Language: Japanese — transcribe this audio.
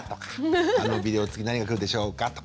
「あのビデオ次何がくるでしょうか？」とか。